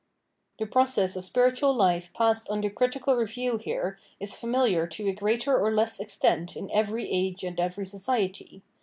The process of spiritual life passed under critical review here is familiar to a greater or less extent in every age and every society.